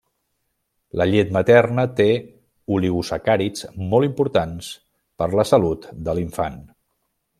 La llet materna té oligosacàrids molt importants per la salut de l'infant.